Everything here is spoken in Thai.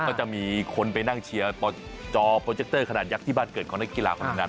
ก็จะมีคนไปนั่งเชียร์จอโปรเจคเตอร์ขนาดยักษ์ที่บ้านเกิดของนักกีฬาคนนั้น